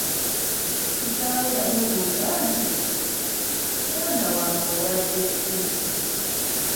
Kitaawe yamubuuza nti, “Mwana wange obadde ki?''